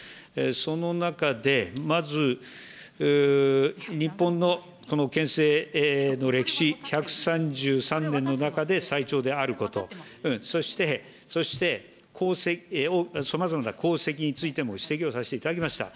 その中で、まず日本のこの憲政の歴史１３３年の中で最長であること、そして、そして、さまざまな功績についても指摘をさせていただきました。